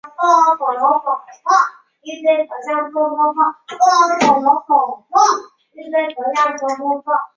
扶桑町为爱知县北部的町。